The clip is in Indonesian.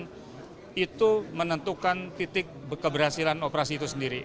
dan itu menentukan titik keberhasilan operasi itu sendiri